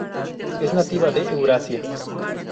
Es nativa de Eurasia.